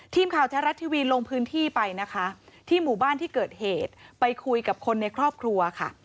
ทีมข่าวแท้รัฐทีวีลงพื้นที่ไปนะคะที่หมู่บ้านที่เกิดเหตุไปคุยกับคนในครอบครัวค่ะ